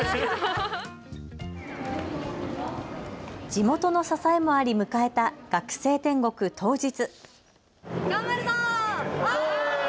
地元の支えもあり迎えた学生天国、当日。